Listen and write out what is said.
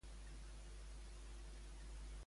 Va ser llavors quan va pujar al tron Meti Fufeci?